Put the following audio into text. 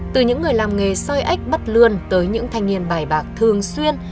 từ những người làm nghề xoay ếch bắt lươn tới những thanh niên bài bạc thường xuyên